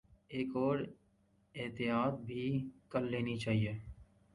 ایک اور احتیاط بھی کر لینی چاہیے۔